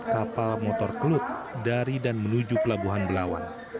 kapal motor kelut dari dan menuju pelabuhan belawan